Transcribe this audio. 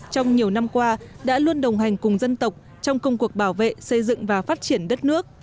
trong nhiều năm qua đã luôn đồng hành cùng dân tộc trong công cuộc bảo vệ xây dựng và phát triển đất nước